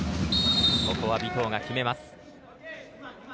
ここは、尾藤が決めます。